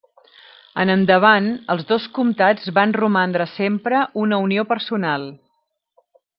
En endavant els dos comtats van romandre sempre una unió personal.